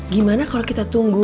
gimana kalau kita tunggu